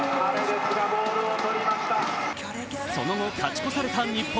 その後、勝ち越された日本。